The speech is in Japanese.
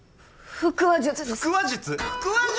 腹話術！？